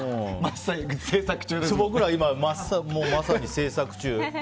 僕ら、まさに制作中で。